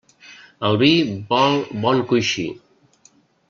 El vi vol bon coixí.